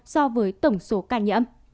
so với tổng số ca nhẫm